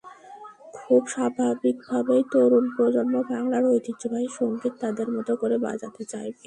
খুব স্বাভাবিকভাবেই তরুণ প্রজন্ম বাংলার ঐতিহ্যবাহী সংগীত তাদের মতো করে বাজাতে চাইবে।